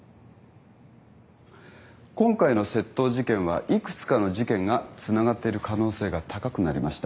今回の窃盗事件は幾つかの事件がつながっている可能性が高くなりました。